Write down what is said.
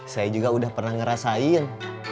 saya juga udah pernah ngerasain